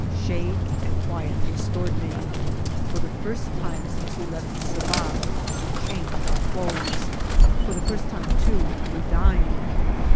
Shade and quiet restored me. For the first time since we left Yzabal we changed our clothes ; for the first time^ too, we dined.